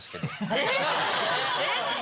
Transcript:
えっ！